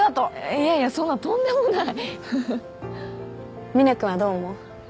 いやいやそんなとんでもないふふっみね君はどう思う？